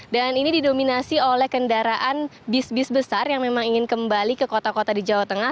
dan ini didominasi oleh kendaraan bis bis besar yang memang ingin kembali ke kota kota di jawa tengah